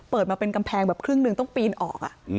มาเป็นกำแพงแบบครึ่งหนึ่งต้องปีนออก